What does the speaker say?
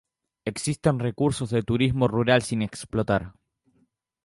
Existen recursos de turismo rural sin explotar.